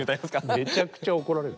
めちゃくちゃ怒られる。